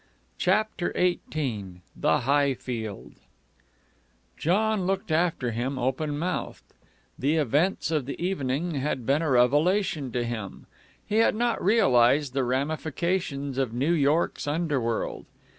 CHAPTER XVIII THE HIGHFIELD John looked after him, open mouthed. The events of the evening had been a revelation to him. He had not realized the ramifications of New York's underworld.